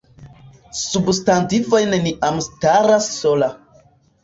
Substantivoj neniam staras sola.